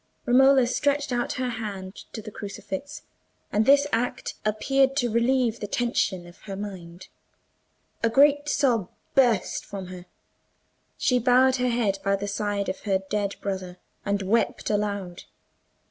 Romola stretched out her hand to the crucifix, and this act appeared to relieve the tension of her mind. A great sob burst from her. She bowed her head by the side of her dead brother, and wept aloud.